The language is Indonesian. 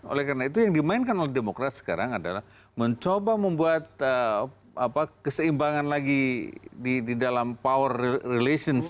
oleh karena itu yang dimainkan oleh demokrat sekarang adalah mencoba membuat keseimbangan lagi di dalam power relations